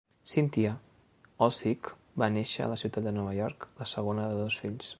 Cynthia Ozick va néixer a la ciutat de Nova York, la segona de dos fills.